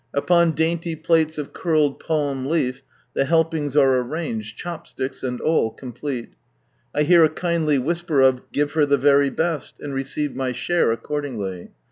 Upon dainty plates of curled palm leaf, the helpings are arranged, chopsticks and all complete. I hear a kindly whisper of "Give her ihe very best," and receive my share accordingly.